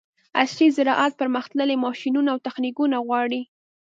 عصري زراعت پرمختللي ماشینونه او تخنیکونه غواړي.